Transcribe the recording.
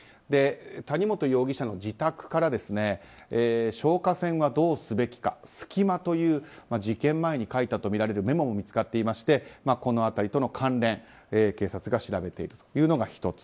谷本容疑者の自宅から消火栓はどうすべきか隙間という事件前に書いたとみられるメモも見つかっていましてこの辺りとの関連警察が調べているというのが１つ。